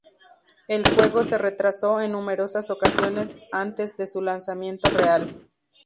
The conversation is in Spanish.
El juego se retrasó en numerosas ocasiones antes de su lanzamiento real.